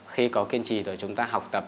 khi có kiên trì rồi chúng ta học tập